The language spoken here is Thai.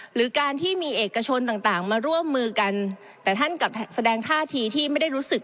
หรือการที่มีเอกชนต่างต่างมาร่วมมือกันแต่ท่านกลับแสดงท่าทีที่ไม่ได้รู้สึก